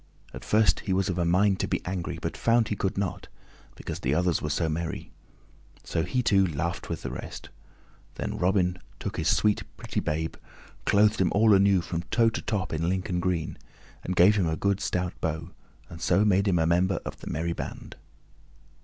At first he was of a mind to be angry but found he could not, because the others were so merry; so he, too, laughed with the rest. Then Robin took this sweet, pretty babe, clothed him all anew from top to toe in Lincoln green, and gave him a good stout bow, and so made him a member of the merry band.